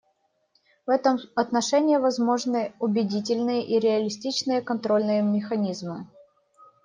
В этом отношении возможны убедительные и реалистичные контрольные механизмы.